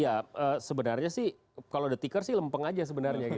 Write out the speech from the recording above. iya sebenarnya sih kalau the tickers lempeng aja sebenarnya